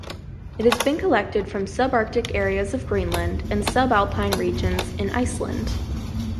It has been collected from subarctic areas of Greenland, and subalpine regions in Iceland.